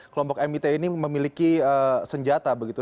kelompok mit ini memiliki senjata begitu